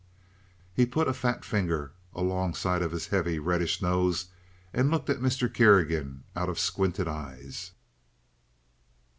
He put a fat finger alongside of his heavy reddish nose and looked at Mr. Kerrigan out of squinted eyes.